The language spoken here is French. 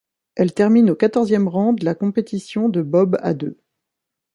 Elle termine au quatorzième rang de la compétition de bob à deux.